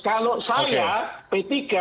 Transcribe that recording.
kalau saya p tiga